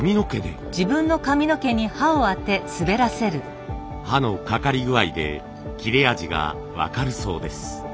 刃のかかり具合で切れ味が分かるそうです。